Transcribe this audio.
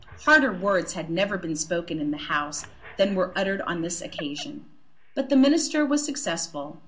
Harder words had never been spoken in the House than were uttered on this occasion. But the Minister was successful.